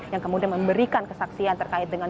yang kemudian memberikan kesaksian terkait dengan